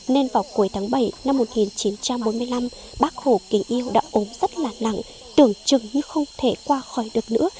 nên vào cuối tháng bảy năm một nghìn chín trăm bốn mươi năm bác hồ kính yêu đã ốm rất là nặng tưởng chừng như không thể qua khỏi được nữa